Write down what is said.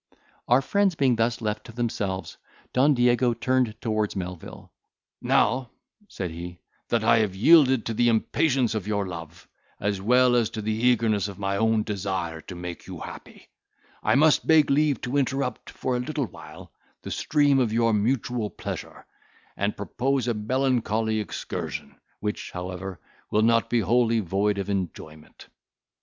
Our friends being thus left to themselves, Don Diego turned towards Melvil: "Now," said he, "that I have yielded to the impatience of your love, as well as to the eagerness of my own desire to make you happy, I must beg leave to interrupt, for a little while, the stream of your mutual pleasure, and propose a melancholy excursion, which, however, will not be wholly void of enjoyment.